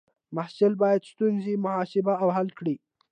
محصل باید ستونزې محاسبه او حل کړي.